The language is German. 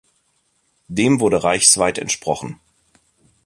Dem wurde reichsweit entsprochen.